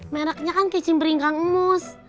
mereknya kan kicimpring kang emus